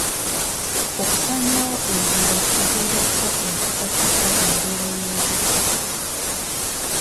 Okusaanyaawo ebibira kiviirako enkyukakyuka mu mbeera y'obudde.